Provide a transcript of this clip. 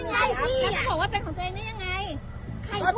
เจ้าเค้าไม่มีละบุปูไล่พี่นั้นข้างใน